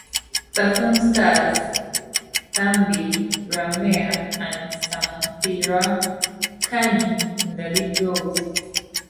The film stars Thambi Ramaiah and Samuthirakani in the lead roles.